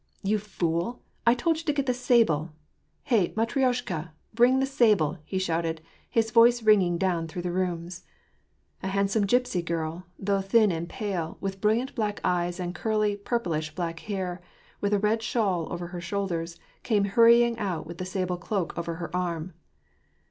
" You fool ! I told you to get the sable. Hey, Matrioshka, bring the sable," he shouted, his voice ringing down through the rooms. A handsome gypsv girl, though thin and pale, with brilliant black eyes and curly, purplish black hair, with a red shawl over her shoulders, came hurrying out with the sable cloak over her arm.